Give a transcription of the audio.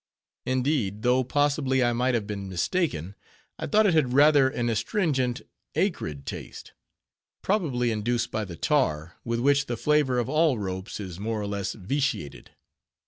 Indeed, though possibly I might have been mistaken, I thought it had rather an astringent, acrid taste; probably induced by the tar, with which the flavor of all ropes is more or less vitiated.